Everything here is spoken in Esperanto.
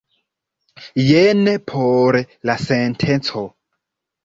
Jen por la senteco.